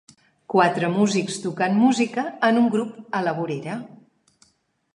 Quatre músics tocant música en un grup a la vorera.